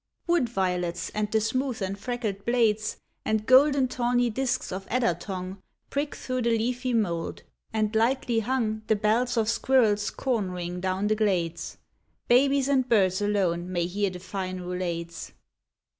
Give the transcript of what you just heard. Wood violets, and the smooth and freckled blades And golden tawny disks of adder tongue Prick through the leafy mould, —and lightly hung The bells of squirrel's corn ring down the glades — Babies and birds alone may hear the fine roulades.